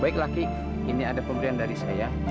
baiklah ki ini ada pemberian dari saya